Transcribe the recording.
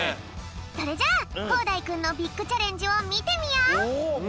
それじゃあこうだいくんのビッグチャレンジをみてみよう。